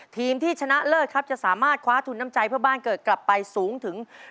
ทีมที่ชนะเลิศครับจะสามารถคว้าทุนน้ำใจเพื่อบ้านเกิดกลับไปสูงถึง